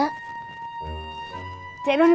kalau cik edo kemana